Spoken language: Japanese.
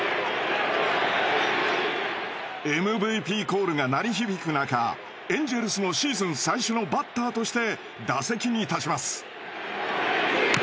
ＭＶＰコールが鳴り響く中エンジェルスのシーズン最初のバッターとして打席に立ちます。